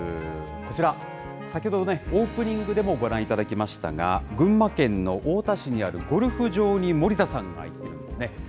こちら、先ほどもね、オープニングでもご覧いただきましたが、群馬県の太田市にあるゴルフ場に、森田さんが行ってるんですね。